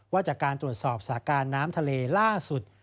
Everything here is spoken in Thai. จากการตรวจสอบสาการน้ำทะเลล่าสุด